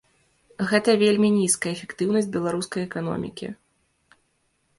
Гэта вельмі нізкая эфектыўнасць беларускай эканомікі.